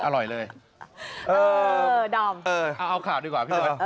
อร่อยเลยเอ่อเอ่อเอ่อเอาข่าวดีกว่าเออเออ